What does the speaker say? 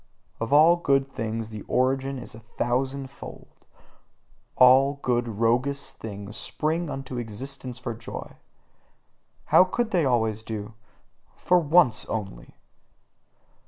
Of all good things the origin is a thousandfold, all good roguish things spring into existence for joy: how could they always do so for once only!